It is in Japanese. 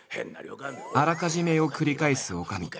「あらかじめ」を繰り返す女将。